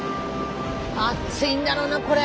あっついんだろうなこれ。